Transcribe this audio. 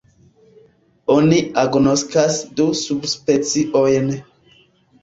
Oni agnoskas du subspeciojn.